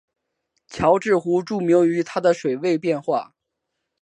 乔治湖著名于它的水位变化。